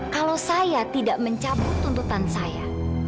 kalau saya tidak mencabut tuntutan saya